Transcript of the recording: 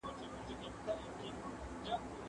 ایا مسلکي بڼوال بادام پلوري؟